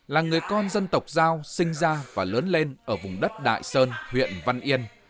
là người con dân tộc giao sinh ra và lớn lên ở vùng đất đại sơn huyện văn yên